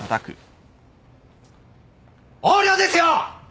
横領ですよ！